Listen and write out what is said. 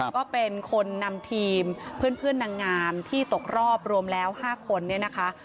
ก็เป็นคนนำทีมเพื่อนนางงามที่ตกรอบรวมแล้ว๕คนเนี่ยนะคะ